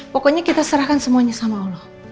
pokoknya kita serahkan semuanya sama allah